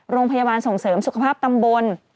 โรงพยาบาลส่งเสริมสุขภาพตำบล